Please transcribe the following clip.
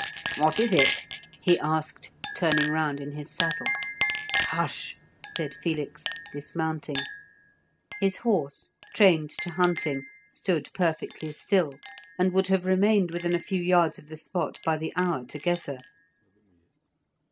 "What is it?" he asked, turning round in his saddle. "Hush!" said Felix, dismounting; his horse, trained to hunting, stood perfectly still, and would have remained within a few yards of the spot by the hour together.